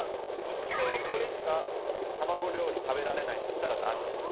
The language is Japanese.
一生これしか卵料理食べられないとしたら何がいいですか？